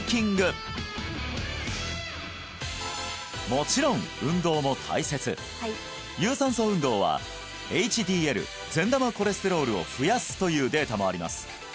もちろん運動も大切有酸素運動はＨＤＬ善玉コレステロールを増やすというデータもあります